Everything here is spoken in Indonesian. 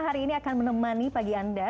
hari ini akan menemani pagi anda